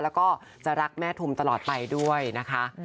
แล้วก็จะรักแม่ทุมตลอดไปด้วยนะคะ